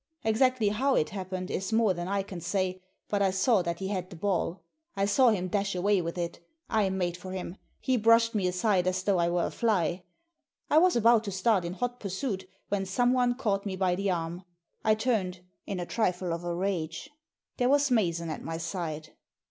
Exactly how it happened is more than I can say, but I saw that he had the ball. I saw him dash away with it I made for him. He brushed me aside as though I were a fly. I was about to start in hot pursuit when someone caught me by the arm. I turned — in a trifle of a rage. There was Mason at my side.